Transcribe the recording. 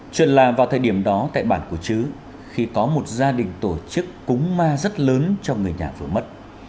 truyền là vào thời điểm đó tại bản của chứ khi có một gia đình tổ chức cúng ma rất lớn cho người nhà vừa mất